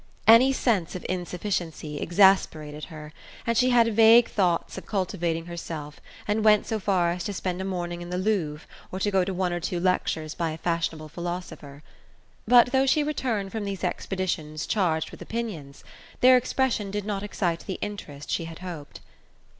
Any sense of insufficiency exasperated her, and she had vague thoughts of cultivating herself, and went so far as to spend a morning in the Louvre and go to one or two lectures by a fashionable philosopher. But though she returned from these expeditions charged with opinions, their expression did not excite the interest she had hoped.